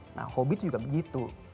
nah hobi itu juga begitu